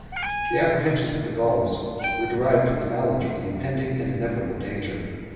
The apprehensions of the Gauls were derived from the knowledge of the impending and inevitable danger.